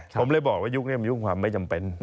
ผมเลยบอกว่ายุคนี้มียุคความไม่จำเป็น